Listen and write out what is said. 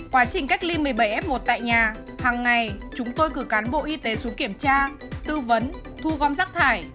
quá trình cách ly một mươi bảy f một tại nhà hàng ngày chúng tôi cử cán bộ y tế xuống kiểm tra tư vấn thu gom rác thải